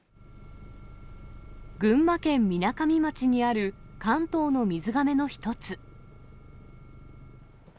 群馬県みなかみ町にある関東の水がめの一つ。